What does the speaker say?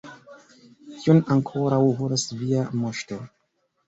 Kion ankoraŭ volas via moŝto?